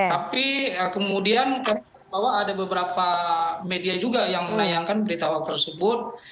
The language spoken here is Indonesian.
tapi kemudian kami bawa ada beberapa media juga yang menayangkan berita hoax tersebut